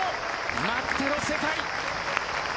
待ってろ世界。